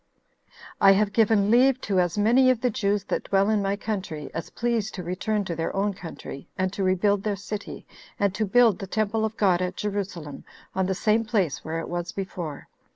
"I have given leave to as many of the Jews that dwell in my country as please to return to their own country, and to rebuild their city, and to build the temple of God at Jerusalem on the same place where it was before.